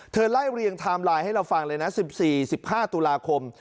ไล่เรียงไทม์ไลน์ให้เราฟังเลยนะ๑๔๑๕ตุลาคม